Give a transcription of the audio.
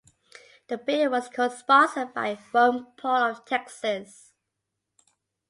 The bill was co-sponsored by Ron Paul of Texas.